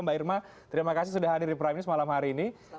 mbak irma terima kasih sudah hadir di prime news malam hari ini